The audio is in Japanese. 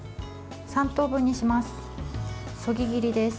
３等分にします。